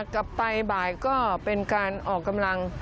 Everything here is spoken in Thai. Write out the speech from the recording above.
กลับไปบ่ายก็เป็นการออกกำลัง